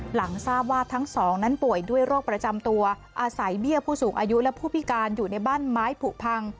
หลังทราบว่าทั้งสองนั้นป่วยด้วยโรคประจำตัวอาศัยเบี้ยผู้สูงอายุและผู้พิการอยู่ในบ้านไม้ผูกพัง